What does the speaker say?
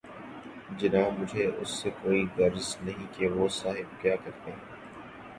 جناب مجھے اس سے کوئی غرض نہیں کہ وہ صاحب کیا کرتے ہیں۔